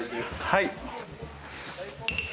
はい。